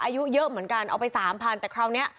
อายุเยอะเหมือนกันเอาไปสามพันแต่คราวนี้